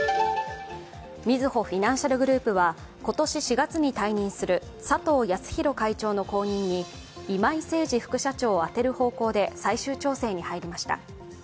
みずほフィナンシャルグループは今年４月に退任する佐藤康博会長の後任に今井誠司副社長を充てる方向で最終調整に入りました。